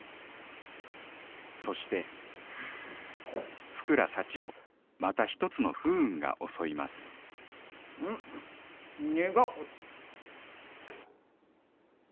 そして福良幸をまたひとつの不運が襲いますん苦っ！